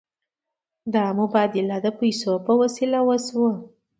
دا مبادله د پیسو په وسیله وشوه.